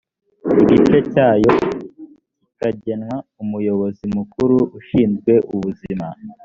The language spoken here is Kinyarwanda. igice cyayo kikagenerwa umuyobozi mukuru ushinzwe ubuzima